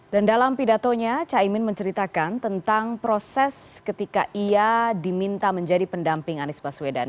dan dalam pidatonya caimin menceritakan tentang proses ketika ia diminta menjadi pendamping anies baswedan